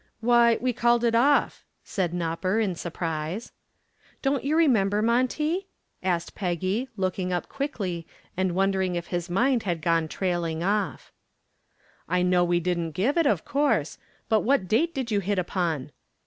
"Why, we called it off," said "Nopper," in surprise. "Don't you remember, Monty?" asked Peggy, looking up quickly, and wondering if his mind had gone trailing off. "I know we didn't give it, of course; but what date did you hit upon?"